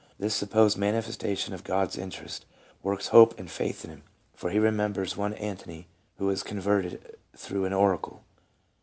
This supposed manifestation of God's interest works hope and faith in him, for he remembers one Antony who was converted through an oracle.